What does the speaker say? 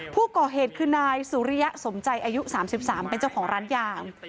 ผู้ก่อเหตุคือนายสุริยะสมใจอายุ๓๓เป็นเจ้าของร้านยาง